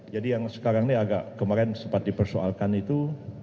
yang sekarang ini agak kemarin sempat dipersoalkan itu